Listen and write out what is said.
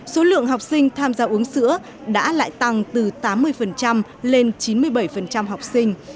số lượng học sinh tham gia uống sữa đã lại tăng từ tám mươi lên chín mươi bảy học sinh